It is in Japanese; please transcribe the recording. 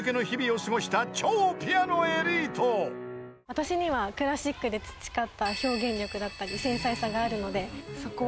私にはクラシックで培った表現力だったり繊細さがあるのでそこは。